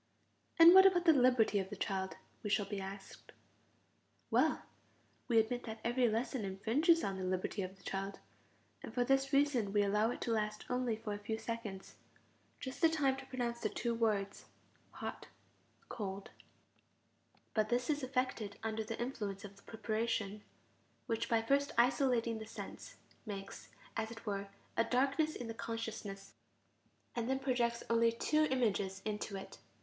And what about the liberty of the child, we shall be asked? Well, we admit that every lesson infringes the liberty of the child, and for this reason we allow it to last only for a few seconds: just the time to pronounce the two words: hot, cold; but this is effected under the influence of the preparation, which by first isolating the sense makes, as it were, a darkness in the consciousness, and then projects only two images into it.